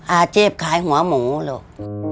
อาเจ็บคลายหัวหมูลูก